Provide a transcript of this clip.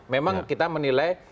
memang kita menilai